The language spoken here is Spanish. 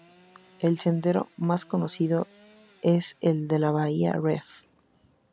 El sendero más conocido es el de la bahía Ref.